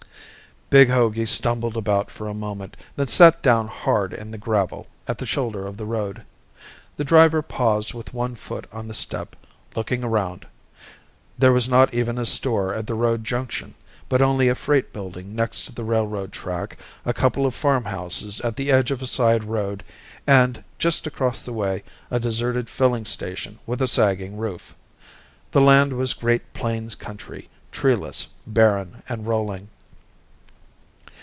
Big Hogey stumbled about for a moment, then sat down hard in the gravel at the shoulder of the road. The driver paused with one foot on the step, looking around. There was not even a store at the road junction, but only a freight building next to the railroad track, a couple of farmhouses at the edge of a side road, and, just across the way, a deserted filling station with a sagging roof. The land was Great Plains country, treeless, barren, and rolling.